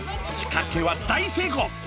仕掛けは大成功！